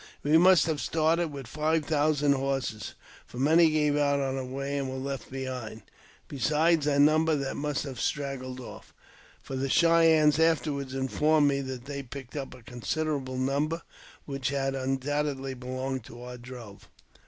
We must have started with five thousand horses, for many gave out on the way and were left behind, besides a number that must have straggled off, for the Cheyennes afterward in formed me that they picked up a considerable number which had undoubtedly belonged to our drove.